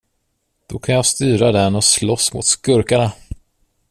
Då kan jag styra den och slåss mot skurkarna!